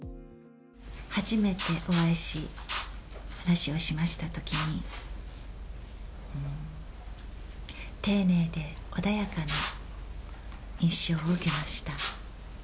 初めてお会いし、話をしましたときに、丁寧で穏やかな印象を受けました。